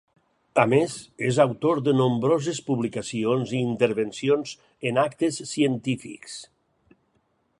A més, és autor de nombroses publicacions i intervencions en actes científics.